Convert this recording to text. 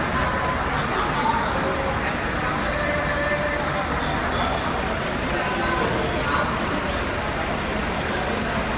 ขอบคุณมากครับอ่าขอบคุณครับ